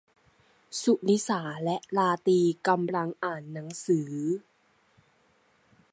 สุนิสาและราตรีกำลังอ่านหนังสือ